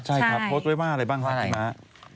ใช่ครับโพสต์ไว้ว่าอะไรบ้างครับคุณม้า